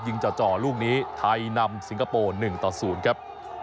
จ่อลูกนี้ไทยนำสิงคโปร์๑ต่อ๐ครับ